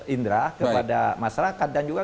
indra kepada masyarakat dan juga